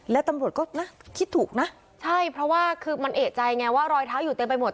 และตำรวจก็น่าคิดถูกนะใช่เพราะว่าคือมันเอกใจไงว่ารอยเท้าอยู่เต็มไปหมด